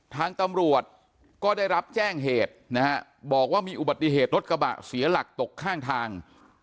ทางตำรวจก็ได้รับแจ้งเหตุนะฮะบอกว่ามีอุบัติเหตุรถกระบะเสียหลักตกข้างทาง